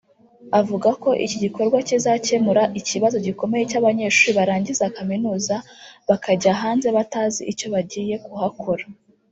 avuga ko iki gikorwa kizakemura ikibazo gikomeye cy’abanyeshuri barangiza kaminuza bakajya hanze batazi icyo bagiye kuhakora